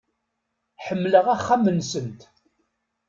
Ḥemmleɣ axxam-nsent.